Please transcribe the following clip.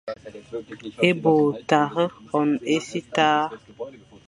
E bo tare on ésitar.